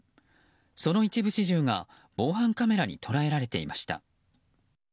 その一部始終が防犯カメラに捉えられていました。